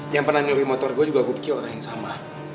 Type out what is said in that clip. yang pernah nyuri motor gua juga gua pikir orang yang sama